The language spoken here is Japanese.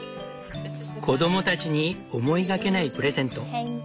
子供たちに思いがけないプレゼント。